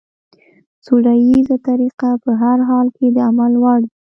سوله ييزه طريقه په هر حال کې د عمل وړ ده.